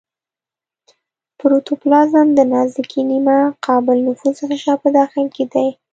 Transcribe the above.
پروتوپلازم د نازکې نیمه قابل نفوذ غشا په داخل کې دی.